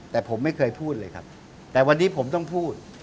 แต่ผมไม่เคยพูดเลยครับแต่วันนี้ผมต้องพูด